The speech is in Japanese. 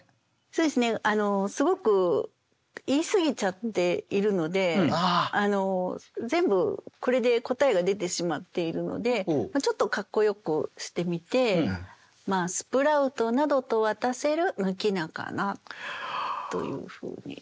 そうですねすごく言いすぎちゃっているので全部これで答えが出てしまっているのでちょっとかっこよくしてみて。というふうに。